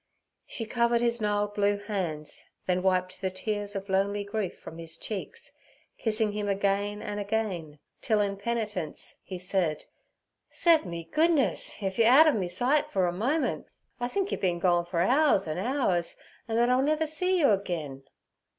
She covered his gnarled blue hands, then wiped the tears of lonely grief from his cheeks, kissing him again and again, till in penitence he said: 'S'ep me goodness! if yer out ov me sight fer a moment, I think yer bin gone fer hours an' hours, an' thet I'll never see yer agen.'